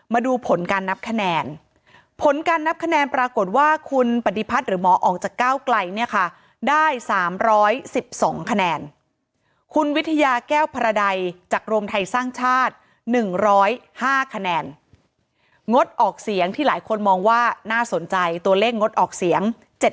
มาดูผลการนับคะแนนผลการนับคะแนนปรากฏว่าคุณปฏิพัฒน์หรือหมอออกจากก้าวไกลเนี่ยค่ะได้๓๑๒คะแนนคุณวิทยาแก้วพระใดจากรวมไทยสร้างชาติ๑๐๕คะแนนงดออกเสียงที่หลายคนมองว่าน่าสนใจตัวเลขงดออกเสียง